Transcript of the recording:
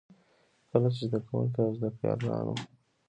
کله چې زده کـوونـکو او زده کړيـالانـو